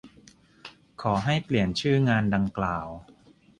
ขอให้เปลี่ยนชื่องานดังกล่าว